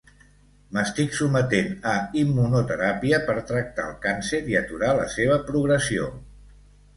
M'estic sometent a immunoteràpia per tractar el càncer i aturar la seva progressió.